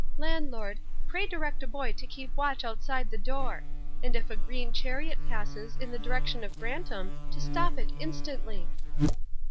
Landlord, pray direct a boy to keep watch outside the door and if a green chariot passes in the direction of Grantham, to stop it instantly.